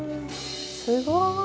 すごい。